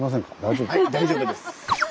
大丈夫ですか？